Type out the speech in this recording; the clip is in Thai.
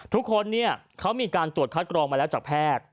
ทุกคนเนี่ยเขามีการตรวจคัดกรองมาแล้วจากแพทย์